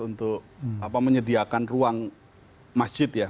untuk menyediakan ruang masjid ya